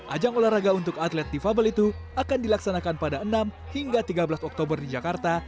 ajang olahraga untuk atlet difabel itu akan dilaksanakan pada enam hingga tiga belas oktober di jakarta